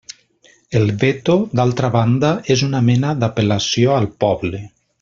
El veto, d'altra banda, és una mena d'apel·lació al poble.